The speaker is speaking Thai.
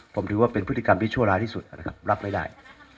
ผมถือว่าเป็นพฤติกรรมที่ชั่วร้ายที่สุดนะครับรับไม่ได้